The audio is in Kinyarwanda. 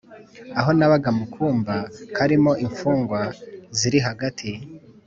Aho nabaga mu kumba karimo imfungwa ziri hagati